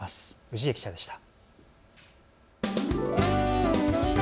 氏家記者でした。